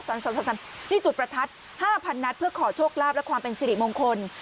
จุดที่จุดประทัด๕๐๐นัดเพื่อขอโชคลาภและความเป็นสิริมงคล